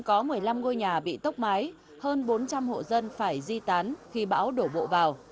có một mươi năm ngôi nhà bị tốc mái hơn bốn trăm linh hộ dân phải di tán khi bão đổ bộ vào